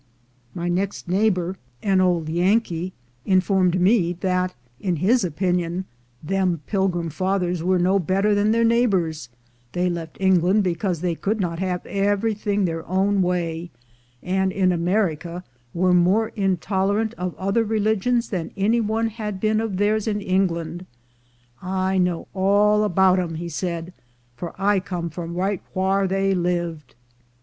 My next neighbor, an old 336 THE GOLD HUNTERS Yankee, informed me that, in his opinion, "them Pilgrim Fathers were no better than their neigh bors; they left England because they could not have everything their own way, and in America were more intolerant of other religions than any one had been of theirs in England. I know all about 'em," he said, "for I come from right whar they lived."